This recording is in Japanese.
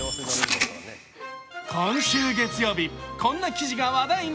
今週月曜日、こんな記事が話題に。